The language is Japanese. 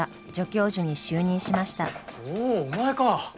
おおお前か！